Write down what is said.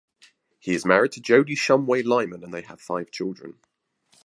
He is married to Jody Shumway Lyman and they have five children.